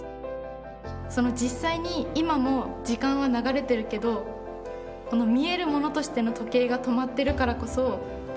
実際に今も時間は流れてるけどこの見えるものとしての時計が止まってるからこそ場所